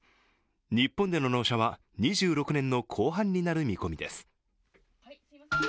日本での納車は２６年の後半になる見込みです。